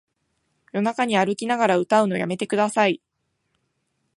夜中に歩きながら歌うのやめてください